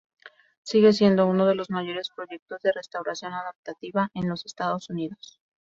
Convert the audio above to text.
Sigue siendo uno de los mayores proyectos de restauración adaptativa en los Estados Unidos.